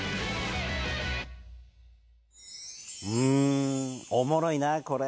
うんおもろいなこれ。